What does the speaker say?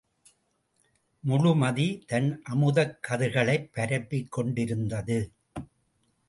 முழுமதி தன் அமுதக் கதிர்களைப் பரப்பிக் கொண்டிருந்தது.